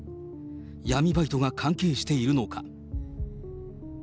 闇バイトが関係しているのか。